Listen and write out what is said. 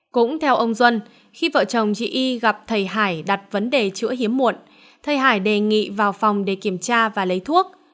cũng theo ông duân khi vợ chồng chị y gặp thầy hải đặt vấn đề chữa hiếm muộn thầy hải đề nghị vào phòng để kiểm tra và lấy thuốc